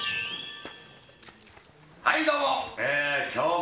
はい、どうも！